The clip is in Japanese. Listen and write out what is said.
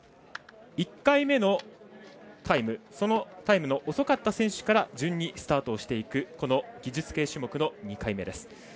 １回目のタイム、そのタイムの遅かった選手から順にスタートしていく技術系種目の２回目です。